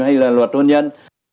hay là luật nôn nhân